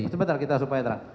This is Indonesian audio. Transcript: sebentar kita supaya terang